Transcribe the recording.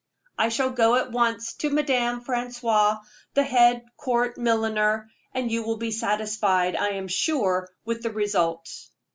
I shall go at once to Madame Francois, the head court milliner, and you will be satisfied, I am sure, with the result."